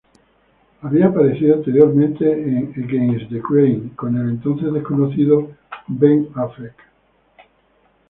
Él había aparecido anteriormente en "Against the Grain", con el entonces desconocido Ben Affleck.